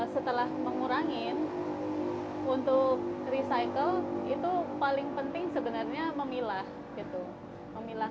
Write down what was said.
setelah mengurangi untuk recycle itu paling penting sebenarnya memilah